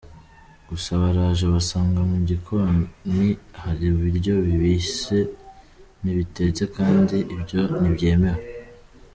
Gusa baraje basanga mu gikoni hari ibiryo bibisi n’ibitetse kandi ibyo ntibyemewe.